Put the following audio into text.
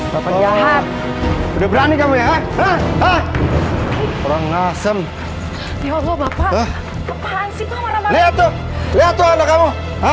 jahat udah berani kamu ya orang asem ya allah bapak lihat lihat kamu